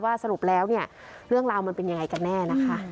สรุปแล้วเนี่ยเรื่องราวมันเป็นยังไงกันแน่นะคะ